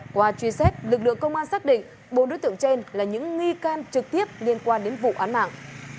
qua truy xét lực lượng công an xác định bốn đối tượng trên là những nghi can trực tiếp liên quan đến vụ án mạng